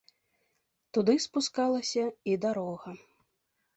Туды спускалася і дарога.